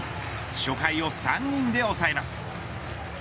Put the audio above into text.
初回を３人で抑えます。